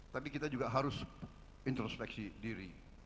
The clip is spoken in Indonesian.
tapi kita juga harus introspeksi diri